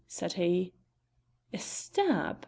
said he. "A stab?"